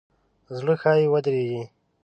زړه ښایي ودریږي.